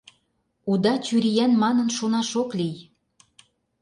Уда чуриян манын шонаш ок лий.